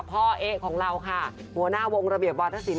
พ่อเอ๊ะของเราค่ะหัวหน้าวงระเบียบวาธศิลป